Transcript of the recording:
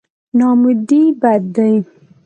نااميدي بد دی.